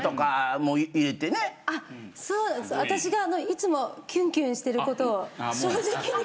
あっそう私がいつもキュンキュンしてることを正直に。